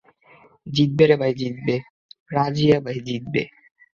জিতবে রে ভাই জিতবে, রাজিয়া বাই জিতবে!